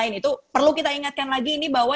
itu perlu kita ingatkan lagi ini bahwa